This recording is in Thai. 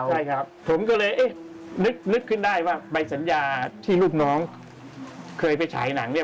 ใช่ครับผมก็เลยเอ๊ะนึกขึ้นได้ว่าใบสัญญาที่ลูกน้องเคยไปฉายหนังเนี่ย